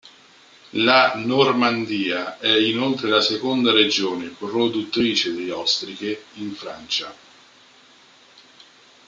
La Normandia è inoltre la seconda regione produttrice di ostriche in Francia.